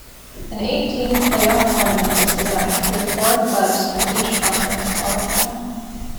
An eight-team playoff tournament was designed, with four clubs from each conference qualifying.